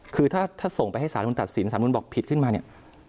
คือถ้าส่งไปให้สารนุนตัดสินสารนุนบอกผิดขึ้นมาเนี่ย